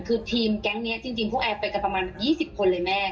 คือทีมแก๊งนี้จริงพวกแอร์ไปกันประมาณ๒๐คนเลยแม่